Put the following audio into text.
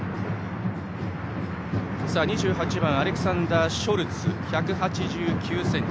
２８番アレクサンダー・ショルツは１８９ｃｍ。